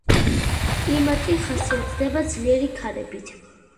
კლიმატი ხასიათდება ძლიერი ქარებით.